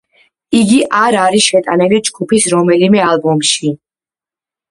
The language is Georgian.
იგი არ არის შეტანილი ჯგუფის რომელიმე ალბომში.